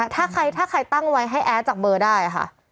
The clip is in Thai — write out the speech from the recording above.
ถ้าใครตั้งไว้ให้แอดจากเบอร์ได้ค่ะ